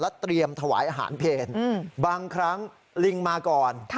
แล้วเตรียมถวายอาหารเพลงอืมบางครั้งลิงมาก่อนค่ะ